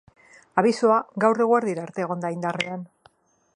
Abisua gaur eguerdira arte egon da indarrean.